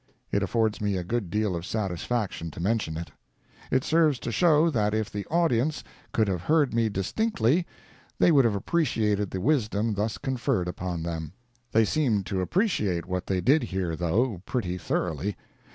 It affords me a good deal of satisfaction to mention it. It serves to show that if the audience could have heard me distinctly, they would have appreciated the wisdom thus conferred upon them. They seemed to appreciate what they did hear though, pretty thoroughly.